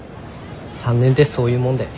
３年ってそういうもんだよね。